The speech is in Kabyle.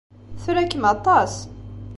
Tra-kem aṭas.